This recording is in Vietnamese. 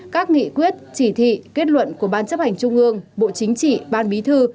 các nghị quyết chỉ thị kết luận của ban chấp hành trung ương bộ chính trị ban bí thư